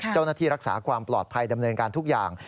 เจ้าหน้าที่รักษาความปลอดภัยดำเนินการทุกอย่าง